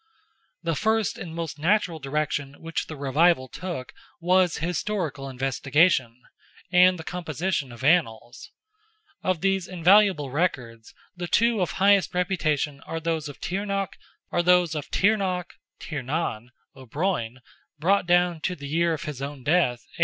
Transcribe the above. The first and most natural direction which the revival took was historical investigation, and the composition of Annals. Of these invaluable records, the two of highest reputation are those of Tigernach (Tiernan) O'Broin, brought down to the year of his own death, A.